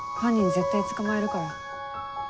絶対捕まえるから。